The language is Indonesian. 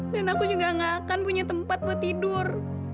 dan aku juga nggak akan punya tempat buat tidur